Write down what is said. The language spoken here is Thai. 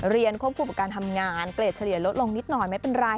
ควบคุมกับการทำงานเกรดเฉลี่ยลดลงนิดหน่อยไม่เป็นไร